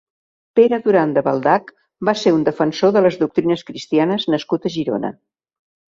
Pere Duran de Baldac va ser un defensor de les doctrines cristianes nascut a Girona.